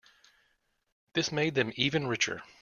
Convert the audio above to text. This made them even richer.